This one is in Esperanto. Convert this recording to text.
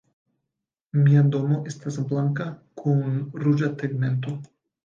Mia domo estas blanka kun ruĝa tegmento.